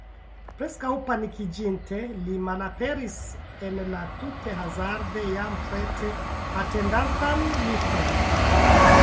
Preskaŭ panikiĝinte, li malaperis en la tute hazarde jam prete atendantan lifton.